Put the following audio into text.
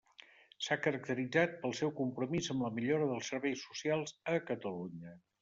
S’ha caracteritzat pel seu compromís amb la millora dels Serveis Socials a Catalunya.